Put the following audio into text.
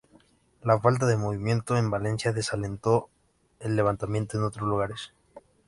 La falta de movimientos en Valencia desalentó el levantamiento en otros lugares.